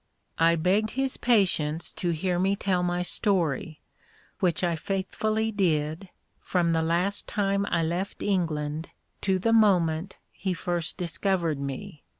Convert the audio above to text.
I begged his patience to hear me tell my story, which I faithfully did, from the last time I left England, to the moment he first discovered me.